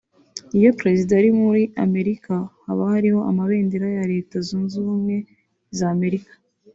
iyo Perezida ari muri Amerika haba hariho amabendera ya Leta Zunze Ubumwe za Amerika